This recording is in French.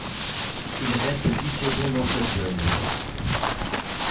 Il reste dix saisons dans ce club.